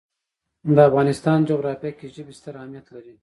د افغانستان جغرافیه کې ژبې ستر اهمیت لري.